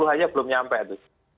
sepuluh aja belum nyampe